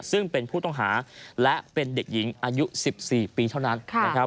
ซึ่งเป็นผู้ต้องหาและเป็นเด็กหญิงอายุ๑๔ปีเท่านั้นนะครับ